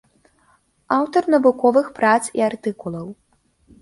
Аўтар навуковых прац і артыкулаў.